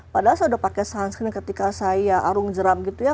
padahal saya sudah pakai sunscreen ketika saya arung jeram gitu ya